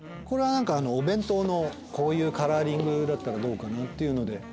これは何かお弁当のこういうカラーリングだったらどうかな？っていうので。